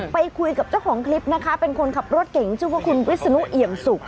ไปคุยกับเจ้าของคลิปนะคะเป็นคนขับรถเก่งชื่อว่าคุณวิศนุเอี่ยมสุก